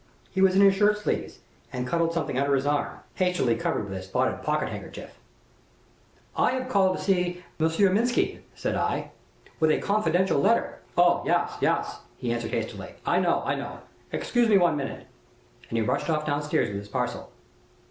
He was in his shirt sleeves, and cuddled something under his arm, hastily covered with a spotted pocket handkerchief. "'I have called to see M. Mirsky," I said, 'with a confidential letter ' "'Oh, yas, yas,' he answered hastily; 'I know I know. Excuse me one minute.' And he rushed off down stairs with his parcel.